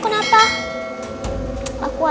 sisah taruh panggilan